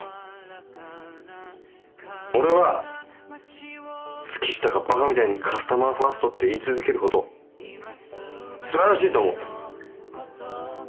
俺は月下がバカみたいにカスタマーファーストって言い続けることすばらしいと思う。